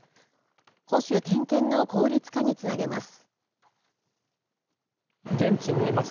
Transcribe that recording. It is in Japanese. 保守点検の効率化につなげます。